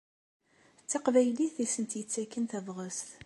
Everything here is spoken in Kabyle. D taqbaylit i sent-yettaken tabɣest.